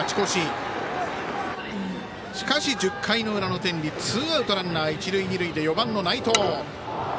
しかし、１０回の裏の天理ツーアウトランナー、一塁二塁で４番の内藤。